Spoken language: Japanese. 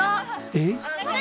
えっ？